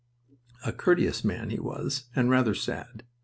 A courteous man he was, and rather sad.